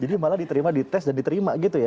jadi malah diterima dites dan diterima gitu ya